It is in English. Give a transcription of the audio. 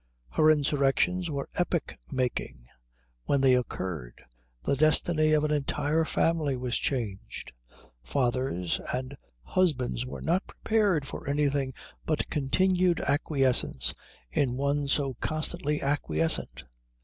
Her insurrections were epoch making. When they occurred the destiny of an entire family was changed. Fathers and husbands were not prepared for anything but continued acquiescence in one so constantly acquiescent.